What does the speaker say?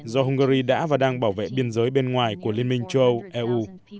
do hungary đã và đang bảo vệ biên giới bên ngoài của liên minh châu âu eu